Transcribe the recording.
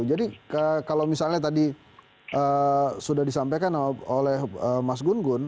jadi kalau misalnya tadi sudah disampaikan oleh mas gunggun